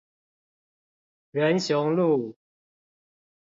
仁雄路